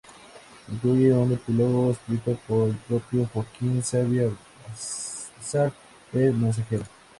Incluye un epílogo escrito por el propio Joaquín Sabina, "Besar al mensajero".